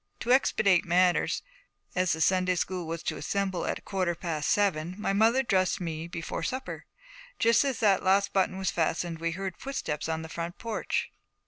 To expedite matters, as the Sunday school was to assemble at a quarter past seven, my mother dressed me before supper. Just as the last button was fastened, we heard footsteps on the front porch.